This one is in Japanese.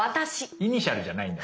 イニシャルじゃないんだ。